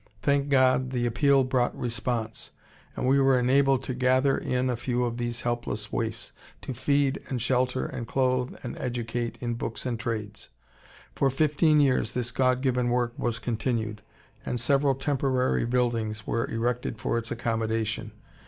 Thank God, the appeal brought response, and we were enabled to gather in a few of these helpless waifs to feed and shelter and clothe and educate in books and trades. For fifteen years this God given work was continued, and several temporary buildings were erected for its accommodation.